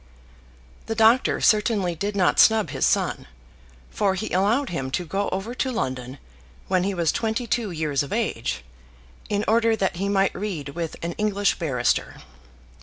The doctor certainly did not snub his son, for he allowed him to go over to London when he was twenty two years of age, in order that he might read with an English barrister.